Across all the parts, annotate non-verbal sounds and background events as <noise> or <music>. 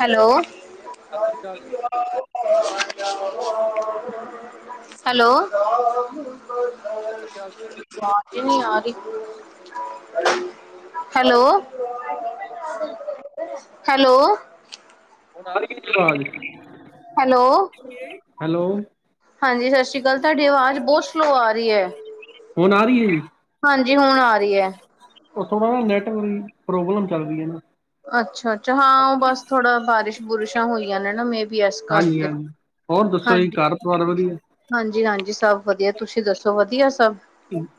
Hello ਸਸਰੀ ਅਕਾਲ <unintelligible> hello ਸਤਿ ਸ੍ਰੀ ਅਕਾਲ <unintelligible> ਨੀ ਆ ਰਹੀ <unintelligible> ਹੈਲੋ ਹੈਲੋ। ਹੈਲੋ ਆ ਰਹੀ ਆਵਾਜ਼। ਹੈਲੋ ਹੈਲੋ ਹਾਂਜੀ। ਸਤਿ ਸ਼੍ਰੀ ਅਕਾਲ। ਤੁਹਾਡੀ ਆਵਾਜ਼ ਬਹੁਤ ਸਲੋਅ ਆ ਰਹੀ ਹੈ। ਹੁਣ ਆ ਰਹੀ ਏ। ਹਾਂਜੀ ਹੁਣ ਆ ਰਹੀ ਹੈ। ਉਹ ਥੋੜ੍ਹਾ ਨਾ ਨੈੱਟ ਦੀ ਪ੍ਰੋਬਲਮ ਚਲਦੀ ਹੈ ਨਾ। ਅੱਛਾ ਅੱਛਾ। ਹਾਂ ਉਹ ਬਸ ਥੋੜਾ ਬਾਰਿਸ਼ ਬੁਰਿਸ਼ਾਂ ਹੋਈਆਂ ਨੇ ਨਾ। ਮੈਂ ਹਾਂਜੀ ਹਾਂਜੀ। ਹੋਰ ਦੱਸੋ ਜੀ ਕਾਰ ਪਰਿਵਾਰ ਵਧੀਆ। ਹਾਂਜੀ-ਹਾਂਜੀ ਸਭ ਵਧੀਆ। ਤੁਸੀਂ ਦੱਸੋ ਵਧੀਆ ਸਭ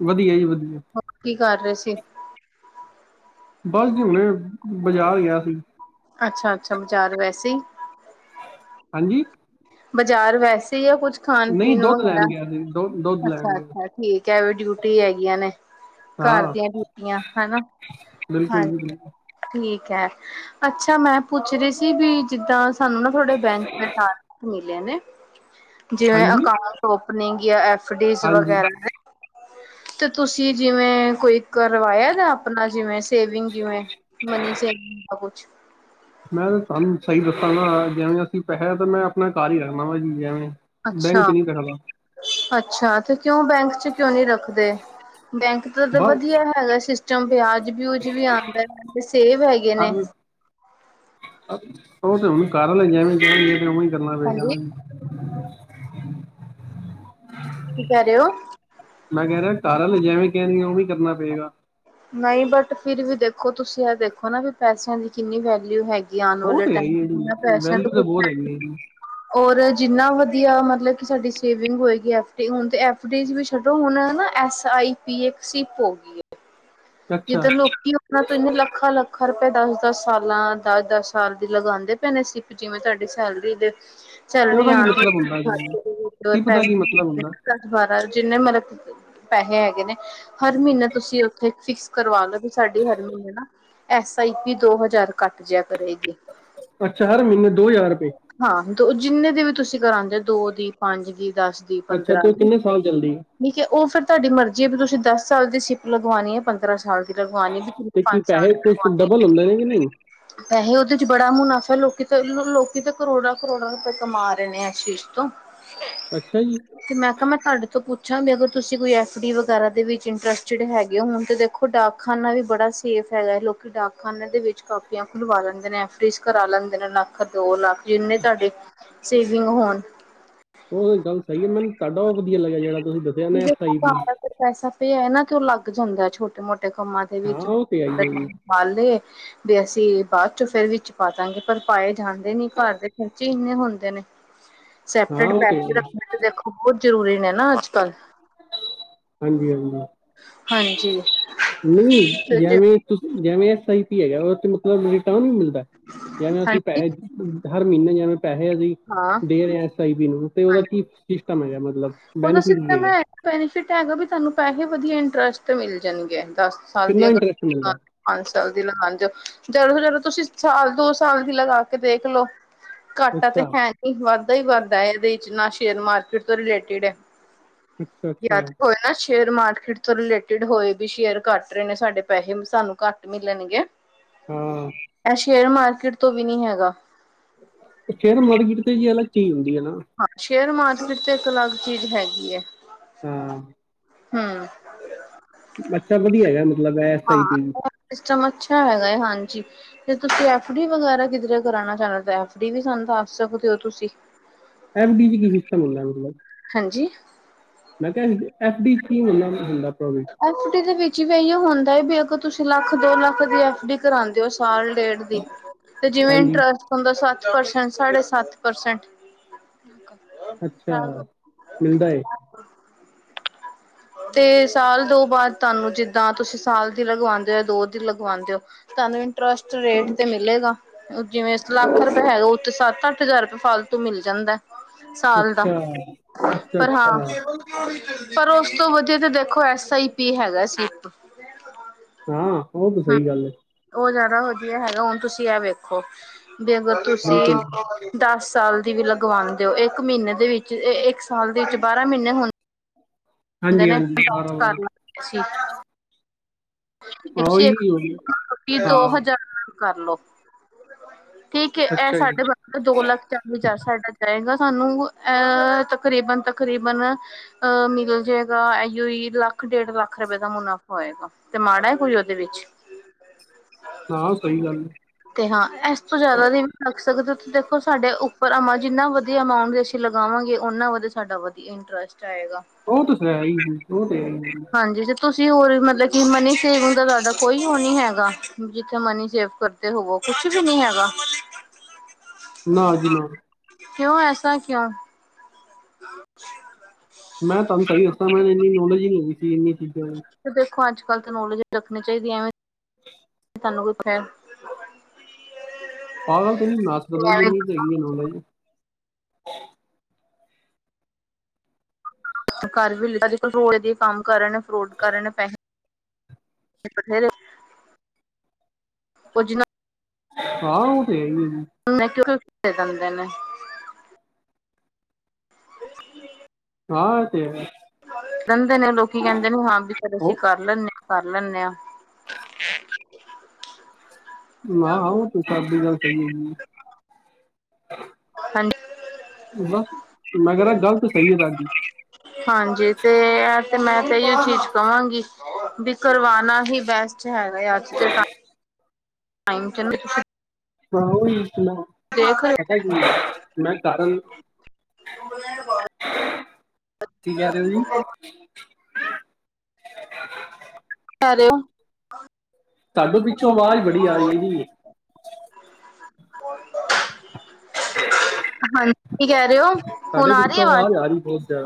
ਵਧੀਆ ਜੀ ਵਧੀਆ। ਹੋਰ ਕੀ ਕਰ ਰਹੇ ਸੀ। ਬਸ ਜੀ। ਹੁਣੇ ਬਾਜਾਰ ਗਿਆ ਸੀ। ਅੱਛਾ-ਅੱਛਾ ਬਾਜ਼ਾਰ ਵੈਸੇ ਹੀ। ਹਾਂਸੀ। ਬਾਜ਼ਾਰ ਵੈਸੇ ਏ। ਕੁੱਛ ਖਾਣ ਪੀਣ ਨੂੰ ਹੈ। ਦੋ-ਦੋ। ਅੱਛਾ - ਅੱਛਾ ਠੀਕ ਹੈ। ਵੀ ਡਿਊਟੀ ਹੈਗੀਆਂ ਨੇ ਘਰ ਹਾਂ ਦੀਆਂ ਡਿਊਟੀਆਂ ਹਨਾ? ਬਿਲਕੁਲ ਜੀ ਹਾਂਜੀ। ਬਿਲਕੁਲ ਠੀਕ ਹੈ, ਅੱਛਾ, ਮੈਂ ਪੁੱਛ ਰਹੀ ਸੀ, ਬੀ ਜਿੱਦਾਂ ਸਾਨੂੰ ਨਾ ਥੋਡੇ ਬੈਂਕ ਦੇ ਟਾਰਗੇਟ ਮਿਲੇ ਨੇ, ਜਿਵੇਂ ਹਾਂਜੀ ਅਕਾਊਂ ਓਪਨਿੰਗ ਜਾਂ ਐਫ ਡੀਜ਼ ਹਾਂਜੀ ਵਗੈਰਾ ਹੈ ਤੇ ਤੁਸੀਂ ਜਿਵੇਂ ਕੋਈ ਕਰਵਾਇਆ, ਜਾ ਆਪਣਾ ਜਿਵੇਂ ਸੇਵਿੰਗ ਜਿਵੇਂ, ਮਨੀ ਸੇਵਿੰਗ ਦਾ ਕੁਛ ਮੈਂ ਤਾਂ ਤੁਹਾਨੂੰ, ਸਹੀ ਦੱਸਾਂ ਵ' ਜਿਵੇਂ ਅਸੀਂ ਪੈਸੇ ਤਾਂ ਮੈਂ ਆਪਣਾ ਘਰ ਹੀ ਰੱਖਦਾ ਵਾ ਜੀ ਜਿਵੇਂ ਅੱਛਾ, ਬੈਂਕ ਚ ਨਹੀਂ ਰੱਖਦਾ ਅੱਛਾ ਤੇ ਕਿਉਂ ਬੈਂਕ 'ਚ ਕਿਉਂ ਨਹੀਂ ਰੱਖਦੇ? ਬੈਂਕ ਤ ਤੇ ਵਧੀਆ ਬਸ ਹੈਗਾ ਸਿਸ ਚ' ਵਿਆਜ-ਵਿਊਜ ਵੀ ਆਉਂਦਾ ਰਹਿੰਦੇ, ਸੇਵ ਹੈਗੇ ਨੇ ਉਹ ਤੇ ਹੁਣ ਕਾਰਨ ਜਿਵੇਂ ਜਾ ਤੇ <unintelligible> ਉਵੇ ਹੀ ਕਰਨਾ ਪਏਗਾ। ਹਾਂਜੀ ਖ਼ਾਲੀ। <inaudible> ਕੀ ਕਹਿ ਰਹੇ ਓ? ਮੈਂ ਕਹਿ ਰਿਹਾ ਘਰਲ, ਜਿਵੇਂ ਕਹਿਣਗੇ ਉ ਵੀ ਕਰਨਾ ਪਏਗਾ। ਨਹੀਂ ਬਟ, ਫਿਰ ਵੀ ਦੇਖੋ, ਤੁਸੀਂ ਇਹ ਦੇਖੋ ਨਾ ਵੀ ਪੈਸਿਆਂ ਦੀ ਕਿੰਨੀ ਵੈਲਿਊ ਹੈਗੀ। <unintelligible> ਲ <unintelligible> <unintelligible> ਔਰ ਜਿੰਨਾ ਵਧੀਆ ਮਤਲਬ ਕਿ ਸਾਡੀ ਸੇਵਿੰਗ ਹੋਏਗੀ, ਐਫ ਡ ਹੁਣ ਤੇ ਐਫ ਡੀ ਵਿੱਚ ਛੱਡੋ ਹੁਣ ਨਾ, ਐਸ ਆਈ ਪੀ ਇੱਕ ਸਿਪ ਹੋ ਗਈ, ਅੱਛਾ ਜਿੱਦਰ ਲੋਕੀ ਹੁਨ ਮੈਂ ਤਿੰਨ ਲੱਖਾਂ- ਲੱਖਾਂ ਰੁਪਏ ਦਸ- ਦਸ ਸਾਲਾਂ। ਦਸ- ਦਸ ਸਾਲ ਦੀ ਲਗਾਦੇ ਪਏ ਸੀ। ਜਿਵੇਂ। ਤੁਹਾਡੀ ਸੈਲਰੀ ਦੇ। ਚੱਲ ਤੇ ਰਹੀ ਉਹਦਾ ਕੀ ਆਉਣ ਮਤਲਬ ਹੁੰਦਾ ਜੀ। ਪੈਸੇ। ਟਿਪ ਦਾ ਕੀ ਮਤਲਬ ਹੁੰਦਾ ਦੁਬਾਰਾ ਜਿੰਨੇ ਮਤਲਬ ਅ ਪੈਸੇ ਹੈਗੇ ਨੇ। ਹਰ ਮਹੀਨੇ ਤੁਸੀਂ ਉੱਥੇ ਫਿਕਸ ਕਰਵਾ ਲੋ। ਸਾਡੀ ਹਰ ਮਹੀਨੇ ਨਾ। ਐਸ ਆਈ ਪੀ ਦੋ ਹਜ਼ਾਰ ਘੱਟ ਜੀਆ ਕਰੇਗੀ। ਅੱਛਾ। ਹਰ ਮਹੀਨੇ ਦੋ ਹਜ਼ਾਰ ਰੁਪਏ। ਹਾਂ। ਦੋ ਜਿੰਨੇ ਦੀ ਵੀ ਤੁਸੀਂ ਕਰਾਉਂਦੇ ਹੋ। ਦੋ ਦੀ ਪੰਜ ਦੀ ਦਸ ਦੀ। ਅੱਛਾ ਪੰਦਰਾਂ ਤੇ ਉਹ ਦੀ ਕਿੰਨੇ ਸਾਲ ਚੱਲਦੀ ਠੀਕ ਹੈ। ਉਹ ਫਿਰ ਤੁਹਾਡੀ ਮਰਜ਼ੀ ਹੈ। ਵੀ ਤੁਸੀਂ ਦਸ ਸਾਲ ਦੀ ਸ਼ਲੀਪ ਲਗਵਾਉਣੀ ਹੈ। ਪੰਦਰ ਸਾਲ ਦੀ ਲਗਵਾਉਣੀ। ਵੀਨ ਤੇ ਕੀ ਪੰਜ ਸਾਲ ਪੈਸੇ ਦੀ ਕੁਛ ਲਗਵਾਉਣੀ। ਡਬਲ ਹੁੰਦੇ ਨੇ ਕਿ ਨਹੀਂ ਪੈਸੇ ਉਹਦੇ ਚ ਬੜਾ ਮੁਨਾਫ਼ਾ। ਲੋਕੀ ਤਾਂ ਲੋਕੀ ਤਾਂ ਕਰੋੜਾਂ - ਕਰੋੜਾਂ ਰੁਪਏ ਕਮਾ ਰਹੇ ਨੇ। ਇਸ ਚੀਜ਼ ਤੋਂ ਹ। <unintelligible> ਅੱਛਾ ਜੀ! ਤੇ ਮੈਂ ਕਿਹਾ! ਮੈਂ ਤੁਹਾਡੇ ਤੋਂ ਪੁੱਛਾਂ ਵੀ ਅਗਰ। ਤੁਸੀਂ ਕੋਈ ਐਫ ਡੀ ਵਗੈਰਾ ਦੇ ਵਿੱਚ ਇੰਟਰਸਟਡ ਹੈਗੇ ਔ। ਹੋੁਣ ਤੇ ਦੇਖੋ ਦੇਖੋ ਡਾਕ ਖਾਨਾ ਵੀ ਬੜਾ ਸੇਫ ਹੈਗਾ ਹੈ। ਲੋਕ ਡਾਕ ਖਾਨਿਆਂ ਦੇ ਵਿੱਚ ਕਾਪੀਆਂ ਖੁਲਵਾ ਲੈਂਦੇ ਨੇ। ਵਿੱਚ ਕਰਾ ਲੈਂਦੇ ਨੇ ਪੰਜ ਲੱਖ ਦੋ ਲੱਖ ਜਿੰਨੇ ਤੁਹਾਡੇ ਸੇਵਿੰਗ ਹੋਣ। <unintelligible> ਵੀ ਆਈ ਜੇਕਰ ਪੀ ਘਰ ਪੈਸਾ ਪਿਆ ਏ ਨਾ ਤੇ, ਉਹ ਲੱਗ ਜਾਂਦਾ ਛੋਟੇ-ਮੋਟੇ ਕੰਮਾਂ ' ਚ ਹਾਂ ਉਹ ਤੇ ਆਈ ਹੈ ਜੀ <unintelligible> ਵੀ ਅਸੀਂ ਬਾਅਦ ਚੋਂ ਫਿਰ ਵਿੱਚ ਪਾ ਦਾਂਗੇ ਪਰ ਪਾਏ ਜਾਂਣਦੇ ਨ ਘਰ ਦੇ ਖਰਚੇ ਇੰਨੇ ਹੁੰਦੇ ਨੇ। ਹਾਂ ਸੈਪਰੇਟ ਉਹ ਤੇ ਪੈਸੇ ਰੱਖਣੇ ਤੇ ਦੇਖੋ ਬਹੁਤ ਜ਼ਰੂਰੀ ਨੇ ਨਾ ਅੱਜ ਕੱਲ੍ਹ ਹਾਂਜੀ- ਹਾਂਜੀ। ਹਾਂਜੀ। ਨਹੀਂ, ਤੇ ਜੇ ਜਵੇ ਤੁਂਸ ਜੈਵੈ ਏਸ ਆਈ ਪੀ ਹੈਗਾ ਓਹਦ ਮਤਲਬ ਰਿਟਰਨ ਵੀ ਮਿਲਦਾ। ਜਿਵੇਂ ਅਸੀਂ ਹਾਂਜੀ ਪੈਸੇ ਹਰ ਮਹੀਨੇ, ਜਿਵੇਂ ਪੈਸੇ ਅਸੀਂ ਹਾਂ ਦੇ ਰਹੇ ਐਸ ਆਈ ਪੀ ਨੂੰ ਤੇ ਉਹਦਾ ਹਾਂਜੀ ਕੀ ਸਿਸਟਮ ਹੈਗਾ ਮਤਲਬ ਉਹਦਾ ਬੈਨੀਫਿਟ ਕੀ ਸਿਸਟਮ ਹੈਗਾ। ਹੈ ਬੈਨੀਫਿਟ ਹੈਗਾ, ਵੀ ਤੁਹਾਨੂੰ ਪੈਸੇ ਵਧੀਆ ਇੰਟਰਸਟ ਮਿਲ ਜਾਣਗੇ। ਦਸ ਸਾਲ ਦੀ ਕਿੰਨਾ ਅਗਰ ਇੰਟਰਸਟ ਤੁਸੀ ਮਿਲਦਾ ਕਰਦੇ। ਪੰਜ ਸਾਲ ਦੀ ਲਗਾਦੇ ਓ। ਜਦੋਂ-ਜਦੋਂ ਤੁਸੀਂ ਸਾਲ, ਦੋ ਸਾਲ ਦੀ ਲਗਾ ਕੇ ਦੇਖ ਲਓ। ਘਾਟਾ ਤੇ ਅੱਛਾ ਹੈ ਨੀ ਵੱਧਦਾ ਹੀ ਵੱਧਦਾ ਇਹਦੇ, ਨਾ ਸ਼ੇਅਰ ਮਾਰਕੀਟ ਤੋਂ ਰਿਲੇਟਿਡ ਹੈ ਅੱਛਾ ਅੱਛਾ ਹੋਇਆ ਅ ਸ਼ੇਅਰ ਮਾਰਕੀਟ ਤੋਂ ਰਿਲੇਟਿਡ ਹੋਏ ਵੀ ਸ਼ੇਅਰ ਕੱਟ ਰਹੇ ਨੇ, ਸਾਡੇ ਪੈਸੇ ਵੀ ਸਾਨੂੰ ਘੱਟ ਮਿਲਣਗੇ। ਹੂੰ। ਸ਼ੇਅਰ ਮਾਰਕੀਟ ਤੋਂ ਵੀ ਨੀ ਹੈਗਾ। ਸ਼ੇਅਰ ਮਾਰਕੀਟ ਤੇ ਜੀ, ਅਲਗ ਚੀਜ਼ ਹੁੰਦੀ ਐ ਨਾ। ਹਾਂ ਸ਼ੇਅਰ ਮਾਰਕੀਟ ਤੇ ਇੱਕ ਅਲੱਗ ਚੀਜ਼ ਹੈਗੀ ਹੈ ਹੂੰ। ਬੱਚਾ ਵਧੀਆ ਹੈਗਾ। ਮਤਲਬ ਐਸ ਆਈ ਹਾਂ। ਪੀ ਓਹ ਸਿਸਟਮ ਅੱਛਾ ਹੈਗਾ ਏ। ਹਾਂਜੀ। ਤੇ ਤੁਸੀਂ ਐਫ ਡੀ ਵਗੈਰਾ ਕਿਧਰੇ ਕਰਾਉਣਾ ਚਾਹੁੰਦੇ ਹੋ ਐਫ ਡੀ ਵੀ ਸਾਨੂੰ ਦੱਸ ਸਕਦੇ ਹੋ ਤੁਸੀਂ ਐਫ ਡੀ 'ਚ ਕੀ ਸਿਸਟਮ ਹੁੰਦਾ ਮਤਲਬ? ਹਾਂਜੀ। ਮੈਂ ਕਿਹਾ ਐਫ ਡੀ 'ਚ ਕੀ ਹੁੰਦਾ ਪ੍ਰੋਫਿਟ? ਐਫ ਡੀ ਦੇ ਵਿੱਚ ਵੀ ਇਅਹੋ ਹੁੰਦਾ ਹੈ ਬੀ ਅਗਰ ਤੁਸੀਂ ਲੱਖ ਦੋ ਲੱਖ ਦੀ ਐਫ ਡੀ ਕਰਾਉਂਦੇ ਹੋ। ਸਾਲ, ਡੇਢ ਤੇ ਜਿਵੇਂ ਹਾਂਜੀ ਇੰਟਰਸਟ ਹੁੰਦਾ ਸੱਤ ਪਰਸੈਂਟ ਸਡਏ ਸੱਤ ਪਰਸੈਂਟ। ਅੱਛਾ ਮਿਲਦਾ ਹੈ। ਤੇ ਸਾਲ ਦੋ ਬਾਅਦ ਤੁਹਾਨੂੰ ਜਿੱਦਾਂ ਤੁਸੀਂ ਸਾਲ ਦੀ ਲਗਵਾਉਂਦੇ ਹੋ ਜਾਂ ਦੋ ਦੀ ਲਗਵਾਉਂਦੇ ਹੋ। ਤੁਹਾਨੂੰ ਇੰਟਰਸਟ ਰੇਟ ਤੇ ਮਿਲੇਗਾ। ਜਿਵੇਂ ਲੱਖ ਰੁਪਏ ਹੈਗਾ ਉੱਥੇ ਸੱਤ ਅੱਠ ਹਜ਼ਾਰ ਰੁਪਏ ਫਾਲਤੂ ਮਿਲ ਜਾਂਦਾ। ਸਾਲ ਦਾ ਅੱਛਾ ਅੱਛਾ ਪਰ ਹਾਂ ਅੱਛਾ ਪਰ ਉਸ ਤੋਂ ਵਧੀਆ ਤੇ ਦੇਖੋ ਐਸ ਆਈ ਪੀ ਹੈਗਾ ਸੀ ਇੱਕ ਹਾਂ ਉਹ ਤਾਂ ਸਹੀ ਗੱਲ ਹੈ। ਉਹ ਜ਼ਿਆਦਾ ਵਧੀਆ ਹੈਗਾ ਹੁਣ ਤੁਸੀਂ ਇਹ ਵੇਖੋ, ਵੀ ਅਗਰ ਤੁਸੀਂ, ਬਿਲਕੁਲ। ਦਸ ਸਾਲ ਦੀ ਵੀ ਲਗਵਾਉਣਦੇ ਹੋ। ਇੱਕ ਮਹੀਨੇ ਦੇ ਵਿੱਚ ਇਹ ਇੱਕ ਸਾਲ ਦੇ ਵਿੱਚ ਬਾਰਾਂ ਮਹੀਨੇ ਹੁੰਦੇ। ਕਦੇ ਨੇ ਹਾਂਜੀ-ਹਾਂਜੀ, ਕਰ ਅਸੀ ਸੀ। ਉਹੀ ਹੋ ਗਿਆ, ਹਾਂ, <unintelligible> ਠੀਕ ਏ। ਐਹ ਅੱਛਾ ਜੀ, ਸਾਡੇ ਬ ਦੋ ਲੱਖ ਚਾਲੀ ਸ ਚਾਹੀਦਾ ਸਾਨੂੰ ਐਹ ਤਕਰੀਬਨ- ਤਕਰੀਬਨ ਅ ਮਿਲ ਜਾਏਗਾ ਇਹੀ ਲੱਖ ਡੇਢ ਲੱਖ ਰੁਪਏ ਦਾ ਮੁਨਾਫ਼ਾ ਹੋਏਗਾ। ਤੇ ਮਾੜਾ ਏ, ਕੋਈ ਉਹਦੇ ਵਿੱਚ। ਸੁਣਾ ਸਹੀ ਗੱਲ ਹੈ। ਤੇ ਹਾਂ ਇਸ ਤੋਂ ਜ਼ਿਆਦਾ ਨ ਵੀ ਰੱਖ ਸਕਦੇ ਹੋ ਦੇਖੋ ਸਾਡੇ ਉੱਪਰ ਅਮਾਂ ਜਿੰਨਾ ਵਧੀਆ ਅਮਾਊਂਟ ਦੇ ਇਥੇ ਲਗਾਵਾਂਗੇ ਉਹਨਾਂ ਵਧ ਸਾਡਾ ਵਧੀਆ ਇੰਟਰਸਟ ਆਏਗਾ। ਉਹ ਤੇ ਹੈ ਹੀ ਸੀ ਉਹ ਤੇ ਹੈ। ਹਾਂਜੀ ਤੇ ਤੁਸੀਂ ਹੋਰ ਮਤਲਬ ਕਿ ਮਨੀ ਸੇਵਿੰਗ ਦਾ ਤੁਡਾਹਾ ਕੋਈ ਉਹ ਨੀ ਹੈਗਾ। ਜਿੱਥੇ ਮਨੀ ਸੇਵ ਕਰਦੇ ਹੋਵੋ ਕੁਛ ਨੀ ਹੈਗਾ। ਨਾ ਜੀ ਨਾ। ਕਿਉਂ ਐਸਾ ਕਿਆ? ਹਾਂ <unintelligible> ਜੀ ਮੈਂ ਤੁਹਾਨ ਸਹੀ ਦੱਸਾਂ, ਮੈਨੂ ਇੰਨੀ ਨੋਲੇਜ ਹੀ ਨੀ ਹੈਗੀ ਸੀ ਇਹਨੀ ਚੀਜ਼ਾਂ ਲ ਈ। ਤੇ ਦੇਖੋ ਅੱਜ- ਕੱਲ੍ਹ ਤਾਂ ਨੌਲੇਜ ਰੱਖਣੀ ਚਾਹੀਦੀ ਏ। ਐਵੇਂ ਖ਼ਾਲੀ। <unintelligible> ਸਾਨੂੰ ਕਿੱਥ <unintelligible> ਪਾਤਾ ਤੇ ਨੀ <unintelligible> ਐਨੀ ਤਾ ਹੈਗੀ ਹੈ ਨੌਲੇਜ ਘਰ ਵੀ ਲਏ। <unintelligible> ਕੰਮ ਕਰਨ, ਫਰੋਡ ਕਰਨ, ਪੈਸੇ ਬਥੇਰੇ ਕੁਝ ਨਾ। <unintelligible> ਹਾਂ! ਔਹ ਤੇ ਹੈ, ਈ ਜੀ। <unintelligible> ਖ਼ਾਲੀ <inaudible> ਹਾਂ, ਐ ਤੇ ਹੈ। ਰਹਿੰਦੇ ਨੇ ਲੋਕੀ, ਕਹਿੰਦੇ ਨੇ। ਹਾਂ! ਵੀ ਫਿਰ ਅਸੀਂ ਉਹ ਕਰ ਲੈਂਨੇ ਆ। ਕਰ ਲੈਨੇ ਆ। ਮੈ ਆ ਹੋ, ਤੁਹਾਡੀ ਗਲ ਸਹੀ ਹੈਗੀ ਏ। ਹਾਂਜੀ! <unintelligible> ਬਸ ਮੈਂ ਕਿਹਾ ਗ਼ਲ ਤੇ ਸਹੀ ਹੈਗੀ ਤੁਆਡੀ। ਹਾਂਜੀ ਤੇ ਇਹ ਤੇ ਮੈਂ ਤੇ ਇ ਚੀਜ਼ ਕਵਾਂਗੀ। ਵੀ ਕਰਵਾਣਾ ਹੀ ਬੈਸਟ ਹੈਗਾ ਹੈ ਅੱਜ ਦੇ ਟਾਇਮ। ਟਾਈਮ ਚ ਨ ਤੁ ਹਾਂ ਔਹੀ ਤੇ ਮੈ ਦੇਖ ਰਹੇ ਹੋ ਪਤਾ ਕਿ <unintelligible> ਮੈਂ ਕਾਰਨ ਕੀ! ਕਹਿ ਰਹੇ ਹੋ ਜੀ? ਕ ਰੇ ਹੋ। ਤੁਹਾਡੇ! ਪਿਛੌ ਆਵਾਜ਼ ਬੜੀ ਆ ਰਹੀ <unintelligible> <inaudible> ਹਾਂਜ! ਕੀ ਕਹਿ ਰਹੇ ਔ, ਹੁਣ ਆ ਰੀ ਏ, ਆਵਾਜ਼, ਸਾਰੀ ਬ <unintelligible> ਤਾ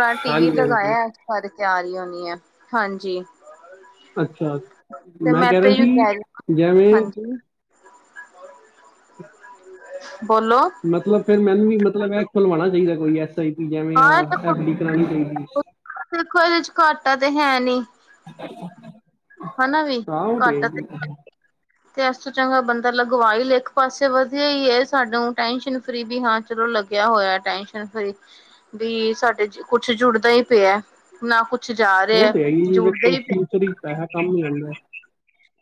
ਹਾਂ ਟੀ ਵੀ ਲਗਾਇਆ <unintelligible> ਤਿਆਰੀ ਹੋਣੀ ਹੈ। ਹਾਂਜੀ। ਅੱਛਾ ਤੇ ਮੈਂ ਕਹਿ ਤੇ ਰਿਹਾ ਅਹੀ ਸੀ ਕੈ ਰੀ ਜਿਵੇਂ ਹਾਂਜੀ ਬੋਲੋ ਮਤਲਬ ਫੇਰ ਮੈਨੂੰ ਵੀ ਮਤਲਬ ਇਹ ਖਲਵਾਣਾ ਚਾਹੀਦਾ ਕੋਈ ਐਸ ਆਈ ਪੀ ਜਿਵੇਂ ਆ ਹਾਂ ਐਫ ਡੀ ਕਰਾਣੀ ਚਾਹੀਦੀ ਦੇਖੋ ਇਹਦੇ ਚ ਘਾਟਾ ਤਾਂ ਹੈ ਨੀ ਹਨਾ ਵੀ ਘਾਟਾ ਤੇ ਹ ਤੇ ਇਸ ਤੋਂ ਚੰਗਾ ਬੰਦਾ ਲਗਵਾਈ ਲੇ ਇੱਕ ਪਾਸੇ ਵਧੀਆ ਈ ਏ ਸਾਨੂੰ ਟੈਸ਼ਨ ਫਰੀ ਵੀ ਹਾਂ ਚਲੋ ਲੱਗਿਆ ਹੋਇਆ ਟੈਸ਼ਨ ਫਰੀ ਵੀ ਸਾਡੇ ਕੁੱਛ ਜੁੜਦਾ ਹੀ ਪਿਆ ਨਾ ਕੁਛ ਜਾ ਔਹ ਰਿਹਾ ਤੇ ਹੈ ਹੀ ਹੈ, ਜੁੜਦਾ ਵੇਖੌ ਹੀ ਪਿਆ ਫਿਊਚਰ ਵਿਚ ਪੈਹਾ ਕੰਮ ਈ ਆਂਦਾ।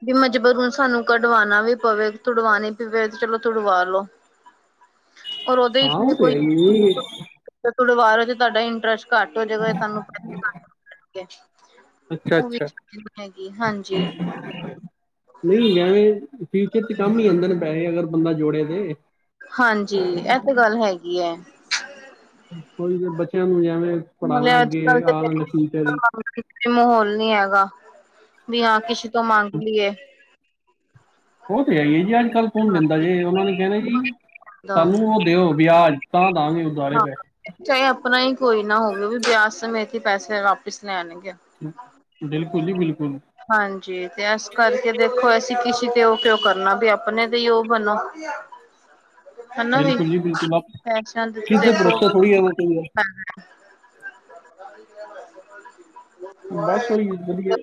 ਵੀ ਮਜਬੂਰਨ ਸਾਨੂੰ ਕਢਵਾਉਣਾ ਵੀ ਪਵੇ ਤੁੜਵਾਉਣੀ ਪਵੇ ਤੇ ਚਲੋ ਤੁੜਵਾ ਲੋ। ਓਰ ਉਹਦੇ ਇਚ ਹਾਂ ਵੀ ਉਹ ਤੇ ਕੋਈ ਹੈ ਹੀ ਜੀ। ਤੇ ਤੁੜਵਾ ਲਓ ਤੇ ਤੁਹਾਡਾ ਇੰਟਰਸਟ ਘੱਟ ਹੋ ਜਾਏਗਾ। ਤੁਾਨੂੰ <unintelligible> ਪੈਸੇ ਘੱਟ ਹੋਣ ਜਾਣਗੇ। ਅੱਛਾ ਉਹ ਵੀ ਅੱਛਾ <unintelligible> ਹੈਗੀ ਹਾਂਜੀ। ਨਹੀਂ ਐਂਵੇਂ ਫਿਊਚਰ ਚ ਕੰਮ ਹੀ ਆਂਦੇ ਨੇ ਪੈਸੇ ਅਗਰ ਬੰਦਾ ਜੋੜੇ ਤੇ ਹਾਂਜੀ। ਏ ਤੇ ਗੱਲ ਹੈਗੀ ਹੈ। <unintelligible> ਬੱਚਿਆਂ ਨੂੰ ਜੇਵੇਂ ਪੜ੍ਹਾਣਾ ਨਾਲੇ ਅੱਜ ਅੱਗੇ ਕੱਲ ਤੇ ਆਂ ਦੇਖੋ <unintelligible> ਮਾਹੌਲ ਨੀ ਹੈਗਾ, ਵੀ ਹਾਂ ਕਿਸੇ ਤੋਂ ਮੰਗ ਲਈਏ। ਔਹ ਤੇ ਹੈ ਹੀ ਹੈ ਜੀ ਅੱਜ ਕੱਲ੍ਹ ਕੌਣ ਹਾਂ ਦਿੰਦਾ, ਜੇ ਔਨਾਂ ਨੇ ਕਹਿਣਾ ਜੀ। ਸਾਨੂੰ ਹਾਂ ਔਹ ਤੇ ਔ ਵਿਆਜ ਤਾਂ ਦਾਂਗੇ ਉਦਾਰੇ ਪੈਹੇ ਚਾਹੇ ਆਪਣਾ ਹੀ ਕੋਈ ਨਾ ਹੋਵੇ, ਔਹ ਵੀ ਬਿਆਜ ਸਮੇਂਤ ਹੀ ਪੈਸੇ ਵਾਪਿਸ ਲੈਣਗੇ। ਹਮ ਬਿਲਕੁਲ ਜੀ ਬਿਲਕੁਲ। ਹਾਂਜੀ ਤੇ ਇਸ ਕਰਕੇ ਦੇਖੋ, ਅਸੀਂ ਕਿਸੀ ਤੇ ਔਹ ਕਿਉਂ ਕਰਨਾ ਵੀ ਆਪਣੇ ਤੇ ਹੀ ਔਹ ਬਣੋ। <inaudible> ਹਨਾ ਵੀ ਬਿਲਕੁਲ ਜੀ <unintelligible> ਬਿਲਕੁਲ ਆਪ ਕਿਸ ਤੁਸੀਂ ਦੇ ਦੇਖੋ ਭਰੋਸੇ ਥੋੜ੍ਹੀ ਰਹਿਣਾ ਚਾਹੀਦਾ <unintelligible> <inaudible> ਬਸ ਔਹੀ ਹੈ ਜੀ ਵਧੀਆ।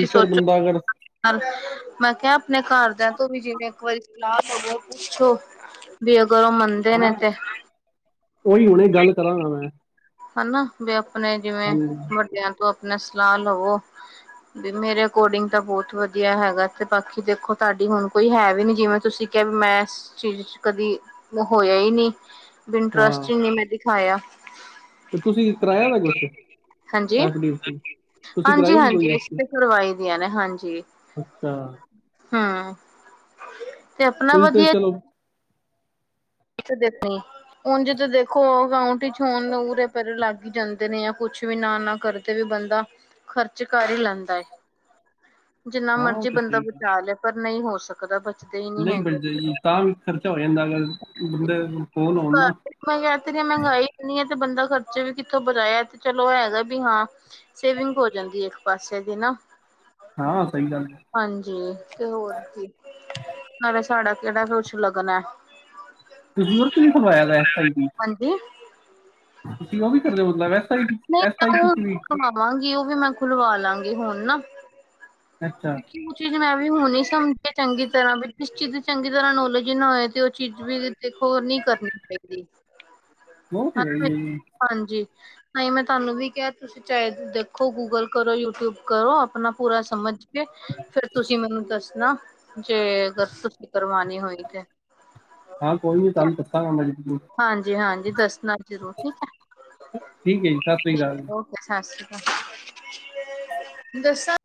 ਕੀ ਸੋਚੋ ਬੰਦਾ ਅਗਰ <unintelligible> ਮੈਂ ਕਿਹਾ ਆਪਣੇ ਘਰਦਿਆਂ ਤੋਂ ਵੀ ਜਿਵੇਂ ਇੱਕ ਵਾਰੀ ਸਲਾਹ ਹੋਵੇ ਪੁੱਛੋ ਵੀ ਅਗਰ ਉਹ ਮੰਨਦੇ ਨੇ ਤੇ ਓਹੀ ਹੁਣੇ ਗੱਲ ਕਰਾਂਗਾ ਮੈਂ ਹਨਾ ਵੀ ਆਪਣੇ ਜਿਵੇਂ ਹਾਂਜੀ ਵੱਡਿਆਂ ਤੋਂ ਆਪਣਾ ਸਲਾਹ ਲਵੋ। ਬੀ ਮੇਰੇ ਅਕੋਰਡਿੰਗ ਤਾਂ ਬਹੁਤ ਵਧੀਆ ਹੈਗਾ ਤੇ ਬਾਕੀ ਦੇਖੋ ਤੁਹਾਡੀ ਹੁਣ ਕੋਈ ਹੈ ਵੀ ਨੀ ਜਿਵੇਂ ਤੁਸੀਂ ਕਿਹਾ ਵੀ ਮੈਂ ਇਸ ਚੀਜ਼ 'ਚ ਕਦੀ ਹੋਇਆ ਹੀ ਨਹੀਂ। ਹਾਂ ਵਿੰਟਰਸਟਿੰਗ ਨ ਮੈਂ ਦਿਖਾਇਆ ਤੇ ਤੁਸੀਂ ਕਰਾਇਆ ਦਾ ਕੁਛ ਹਾਂਜੀ ਐਫ ਡੀ ਤੁਸੀਂ -ਹਾਂਜੀ ਕਰਾਈ ਨੀ ਕੋਈ -ਹਾਂਜੀ ਐਫ ਡੀ ਕਰਵਾਈ ਦੀਆਂ ਨੇ ਹਾਂਜੀ। ਅੱਛਾ ਹਮ, ਤੇ ਆਪਣਾ ਤੁਸੀਂ ਤੇ ਵਧੀਆ। ਚਲੋ ਦ ਨ <inaudible> ਉਝ ਤੇੋ ਦੇਖੋ ਅਕਾਊਂਟ 'ਚ ਹੋੁਣ ਉੂਰੇ ਪਰੇ ਲੱਗ ਹੀ ਜਾਂਦੇ ਨੇ ਜਾਂ ਕੁਛ ਵੀ ਨਾ -ਨਾ ਕਰ ਤੇ ਵੀ ਬੰਦਾ ਖ਼ਰਚ ਕਰ ਹੀ ਲੈਂਦਾ ਹੈਏ ਜਿੰਨਾ ਹਾਂ ਉਹ ਮਰਜੀੀ ਤਾਂ ਬੰਦਾ ਸਹੀ ਗੱਲ ਬਚਾ ਲੇ ਪਰ ਨਹੀਂ ਹੋ ਸਕਦਾ ਬਚਦੇ ਹੀ ਨਹੀਂ ਬ ਹੈਗੇ। ਤਾਂ ਵੀ ਖਰਚਾ ਹੋ ਜਾਂਦਾ ਅਗਰ ਬੰਦੇ ਫੋਨ ਹੋਣ ਘਰ ਨਾ। ਮੈਂ ਕਹਿ ਤ ਹ ਮਹਿੰਗਾਈ ਏਨੀ ਆ ਤੇ ਬੰਦਾ ਖਰਚਾ ਵੀ ਕਿੱਥੋਂ ਵਧਾਇਆ ਤੇ ਚਲੋ ਹੈਗਾ ਵੀ ਹਾਂ। ਸੇਵਿੰਗ ਹੋ ਜਾਂਦੀ ਇੱਕ ਪਾਸੇ ਦੀ ਨਾ। ਹਾਂ ਸਹੀ ਗੱਲ ਹੈ ਹਾਂਜੀ ਤੇ ਹੋਰ ਕੀ ਨਾਲੇ ਸਾਡਾ ਕਿੜਾ ਕੁਛ ਲੱਗਨੈ ਤੁਸੀਂ <unintelligible> ਉਸ ਦੇ ਵਿੱਚ ਵੀ ਖਲਵਾਇਆ ਦਾ ਹਾਂਜੀ ਤੁਸੀਂ ਉਹ ਵੀ ਕਰਦੇ ਹੋ ਮਤਲਬ ਵੈਸ <inaudible> ਨਹੀਂ ਮੈਂ ਉਹ ਖਵਾਵਾਂਗੀ ਉਹ ਵੀ ਮੈਂ ਖੁਲਵਾ ਲਾਂਗੀ ਹੁਣ ਨਾ ਅੱਛਾ ਕਿਉਂਕਿ ਉਹ ਚੀਜ਼ ਮੈਂ ਵੀ ਹੁਣ ਹੀ ਸਮਝਿਆ ਚੰਗੀ ਤਰ੍ਹਾਂ ਵੀ ਜਿਸ ਚੀਜ਼ ਦੀ ਚੰਗੀ ਤਰ੍ਹਾਂ ਨੌਲੇਜ ਨਾ ਹੋਏ ਤੇ ਉਹ ਚੀਜ਼ ਵੀ ਤੇ ਹੋਰ ਨੀ ਕਰਨੀ ਚਾਹੀਦੀ ਬਹੁਤ ਹੈ <unintelligible> ਜੀ ਹਾਂਜੀ ਤਾਈਂ ਮੈਂ ਤਾਨੂੰ ਵੀ ਕਿਆ ਤੁਸੀਂ ਚਾਏ ਦੇਖੋ ਗੂਗਲ ਕਰੋ ਯੂਟਿਊਬ ਕਰੋ ਆਪਣਾ ਪੂਰਾ ਸਮਝ ਫੇਿਰ ਤੁਸੀਂ ਮੈਨੂੰ ਦੱਸਣਾ ਜੇ ਅਗਰ ਤੁਸੀਂ ਕਰਵਾਣੀ ਹੋਈ ਤੇ ਹਾਂ ਕੋਈ ਨੀ ਤੁਹਾਨੂੰ ਦੱਸਾਂਗਾ ਮੈਂ ਜ਼ਰੂਰ ਹਾਂਜੀ-ਹਾਂਜੀ ਦੱਸਣਾ ਜ਼ਰੂਰ ਠੀਕ ਹੈ। ਠੀਕ ਹੈ ਜੀ ਸਤਿ ਸ਼੍ਰੀ ਅਕਾਲ ਠੀਕ ਓਕੇ ਸਤਿ ਸ਼੍ਰੀ ਅਕਾਲ ਦੱਸਾਂ